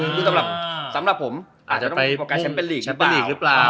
คือสำหรับผมอาจจะไปโฟกัสฉันเป็นหลีกหรือเปล่า